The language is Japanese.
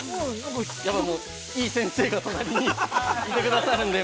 やっぱ、いい先生が隣にいてくださるので。